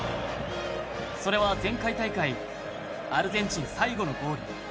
それは、前回大会アルゼンチン最後のゴール。